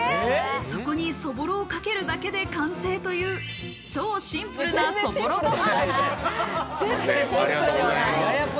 そこに、そぼろをかけるだけで完成という超シンプルなそぼろご飯。